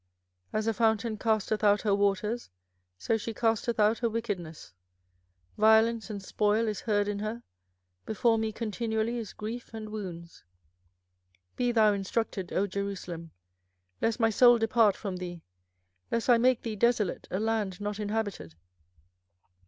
24:006:007 As a fountain casteth out her waters, so she casteth out her wickedness: violence and spoil is heard in her; before me continually is grief and wounds. 24:006:008 Be thou instructed, O Jerusalem, lest my soul depart from thee; lest I make thee desolate, a land not inhabited.